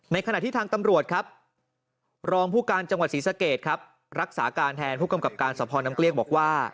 ขณะที่ทางตำรวจครับรองผู้การจังหวัดศรีสะเกดครับรักษาการแทนผู้กำกับการสภน้ำเกลี้ยงบอกว่า